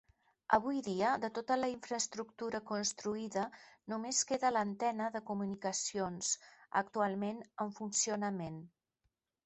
Avui dia, de tota la infraestructura construïda només queda l'antena de comunicacions, actualment en funcionament.